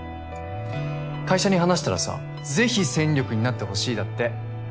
会社に話したらさ是非戦力になってほしいだって。